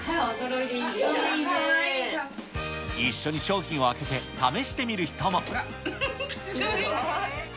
あら、一緒に商品を開けて試してみる人も。